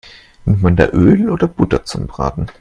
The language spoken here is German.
Nimmt man da Öl oder Butter zum Braten?